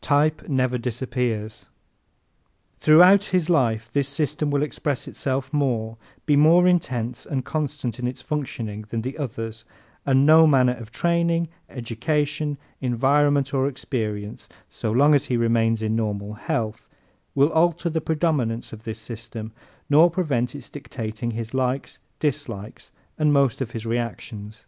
Type Never Disappears ¶ Throughout his life this system will express itself more, be more intense and constant in its functioning than the others and no manner of training, education, environment or experience, so long as he remains in normal health, will alter the predominance of this system nor prevent its dictating his likes, dislikes and most of his reactions.